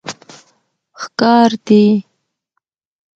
ښکار دي